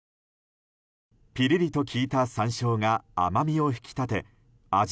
ピリリと効いた山椒が甘みを引き立て味